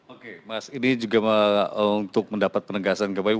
oke mas ini juga untuk mendapat penegasan kebaikan